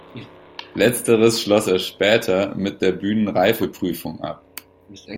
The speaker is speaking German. Letzteres schloss er später mit der Bühnenreifeprüfung ab.